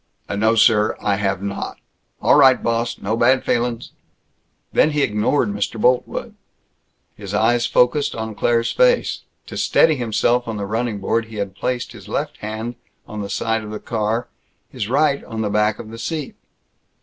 "No, sir, I have not!" "All right, boss. No bad feelin's!" Then he ignored Mr. Boltwood. His eyes focused on Claire's face. To steady himself on the running board he had placed his left hand on the side of the car, his right on the back of the seat.